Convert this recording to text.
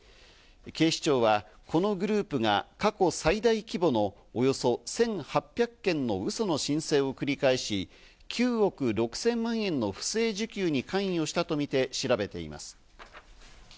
警視庁はこのグループが過去最大規模のおよそ１８００件のウソの申請を繰り返し９億６０００万円の不正受給に関与したとみて調べています。